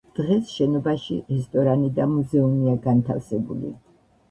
დღეს შენობაში რესტორანი და მუზეუმია განთავსებული.